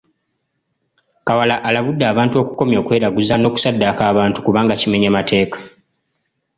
Kawala alabudde abantu okukomya okweraguza n’okusaddaaka abantu kubanga kimenya mateeka.